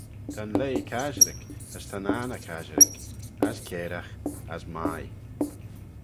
Ta'n leigh casherick, as ta'n anney casherick, as cairagh, as mie.